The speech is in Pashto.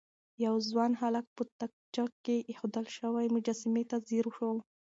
يو ځوان هلک په تاقچه کې ايښودل شوې مجسمې ته ځير شو.